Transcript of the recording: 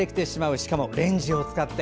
しかもレンジを使って。